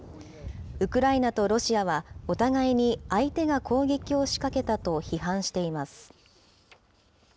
ウクライナとロシアは、お互いに相手が攻撃を仕掛けたと批判しています。